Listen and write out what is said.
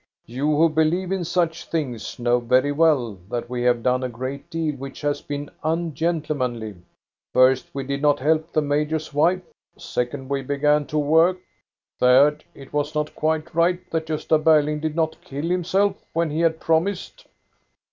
" You who believe in such things know very well that we have done a great deal which has been un gentlemanly. First, we did not help the major's wife; second, we began to work; third, it was not quite right that Gosta Berling did not kill himself, when he had promised."